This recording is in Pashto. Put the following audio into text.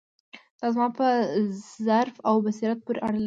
دا زما په ظرف او بصیرت پورې اړه لري.